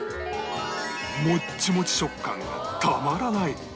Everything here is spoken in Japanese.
もっちもち食感がたまらない！